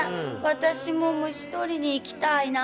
私も虫取りに行きたいな。